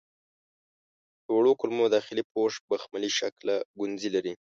د وړو کولمو داخلي پوښ بخملي شکله ګونځې لري.